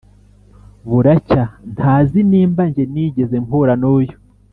buracya ntazi nimba njye nigeze mpura nuyu